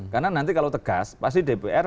karena nanti kalau tegas pasti dpr